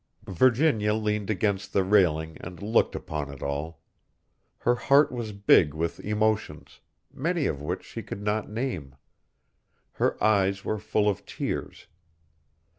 Virginia leaned against the railing and looked upon it all. Her heart was big with emotions, many of which she could not name; her eyes were full of tears.